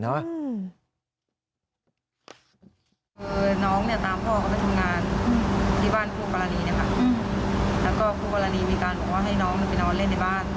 คือน้องเนี่ยตามพ่อเขาไปทำงานที่บ้านคู่กรณีเนี่ยค่ะแล้วก็คู่กรณีมีการบอกว่าให้น้องไปนอนเล่นในบ้าน